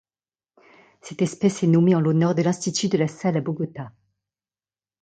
Cette espèce est nommée en l'honneur de l'Institut de La Salle à Bogota.